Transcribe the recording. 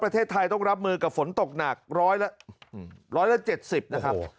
ประเทศไทยต้องรับมือกับฝนตกหนัก๑๗๐นะครับ